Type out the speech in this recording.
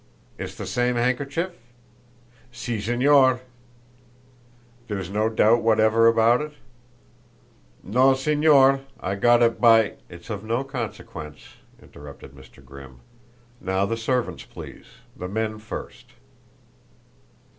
"It's the same handkerchief?" "Si, Señor." "There's no doubt whatever about it?" "No, Señor, I got it by !" "It's of no consequence," interrupted Mr. Grimm. "Now the servants, please the men first."